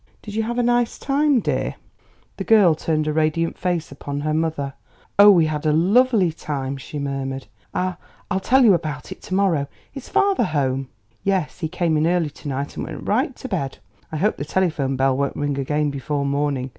"Did you have a nice time, dear?" The girl turned a radiant face upon her mother. "Oh, we had a lovely time!" she murmured. "I I'll tell you about it to morrow. Is father home?" "Yes; he came in early to night and went right to bed. I hope the telephone bell won't ring again before morning."